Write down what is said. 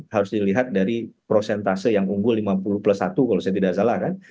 harus dilihat dari prosentase yang unggul lima puluh plus satu kalau saya tidak salah kan